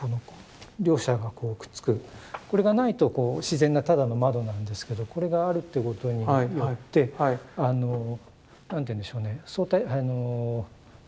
これがないとこう自然なただの窓なんですけどこれがあるっていうことによって何て言うんでしょうね。